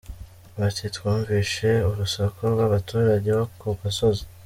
Bati “Twumvise urusaku rw’abaturage bo ku gasozi.